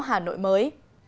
hà nội mới